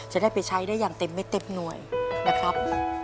จะได้ไปใช้ได้อย่างเต็มเม็ดเต็มหน่วยนะครับ